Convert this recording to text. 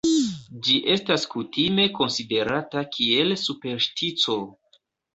Ĝi estas kutime konsiderata kiel superstiĉo.